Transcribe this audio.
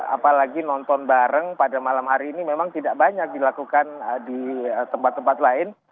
apalagi nonton bareng pada malam hari ini memang tidak banyak dilakukan di tempat tempat lain